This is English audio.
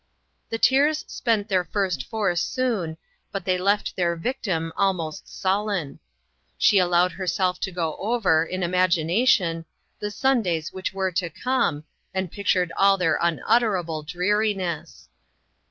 The tears spent their first force soon, but they left their victim almost sullen. She allowed herself to go over, in imagination, the Sundays which were to come, and pic tured all their unutterable dreariness.